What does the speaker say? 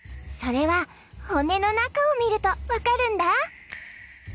それは骨の中を見るとわかるんだ。